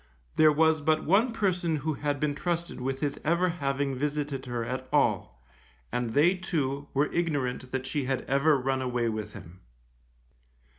There was but one person who had been trusted with his ever having visited her at all, and they too, were ignorant that she had ever run away with him.